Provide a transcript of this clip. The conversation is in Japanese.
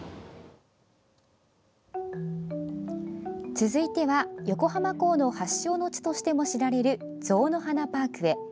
続いては、横浜港の発祥の地としても知られる象の鼻パークへ。